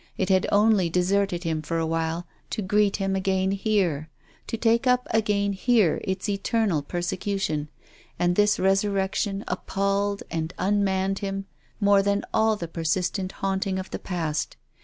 It had only deserted him for a while to greet him again here, to take up again here its eternal persecution ; and this resurrection appalled and unmanned him more than all the persistent haunting of the past.